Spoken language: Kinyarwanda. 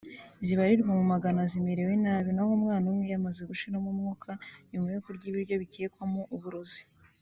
zibarirwa mu magana zimerewe nabi naho umwana umwe yamaze gushiramo umwuka nyuma yo kurya ibiryo bikekwamo uburozi